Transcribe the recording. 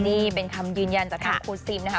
นี่เป็นคำยืนยันจากทางครูซิมนะคะ